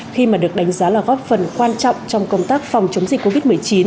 khi mà được đánh giá là góp phần quan trọng trong công tác phòng chống dịch covid một mươi chín